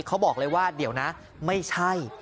เขาบอกเลยว่าเดี๋ยวนะไม่ใช่